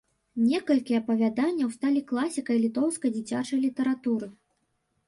Некалькі апавяданняў сталі класікай літоўскай дзіцячай літаратуры.